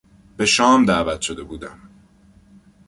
به شام دعوت شده بودم.